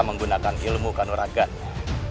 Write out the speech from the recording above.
menggunakan ilmu kanuragannya